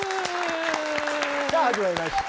さあ始まりました。